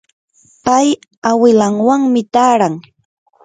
pay awilanwanmi taaran.